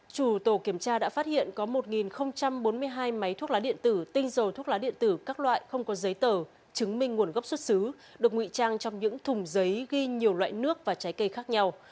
chủ tổ kiểm tra đã phát hiện có một bốn mươi hai máy thuốc lá điện tử tinh dầu thuốc lá điện tử các loại không có giấy tờ chứng minh nguồn gốc xuất xứ được nguy trang trong những thùng giấy ghi nhiều loại nước và trái cây khác nhau